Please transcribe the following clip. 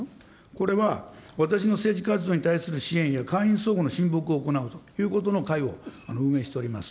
これは私の政治活動に対する支援や会員相互の親睦を行うということの会を運営しております。